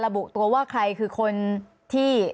ระบุตัวว่าใครคือคนที่